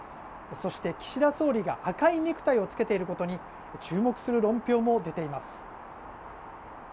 そして岸田総理が赤いネクタイを着けていることに注目する論評も出ています。